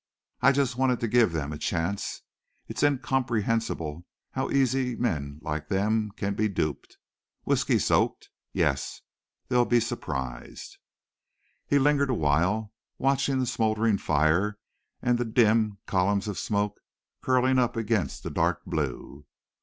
I just wanted to give them a chance. It's incomprehensible how easy men like them can be duped. Whisky soaked! Yes, they'll be surprised!" He lingered a while, watching the smoldering fire and the dim columns of smoke curling up against the dark blue.